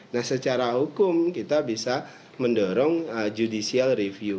nah secara hukum kita bisa mendorong judicial review